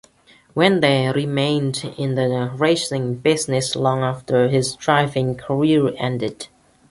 Wente remained in the racing business long after his driving career ended.